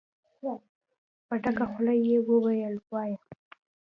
په ډکه خوله يې وويل: وايه!